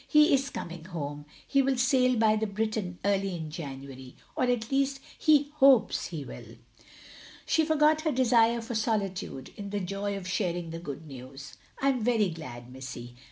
He is coming home! He will sail by the Briton early in January, or at least he hopes he will." She forgot her desire for solitude, in the joy of sharing the good news. "I 'm very glad, missy."